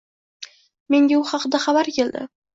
Menga u haqida xabar keldi.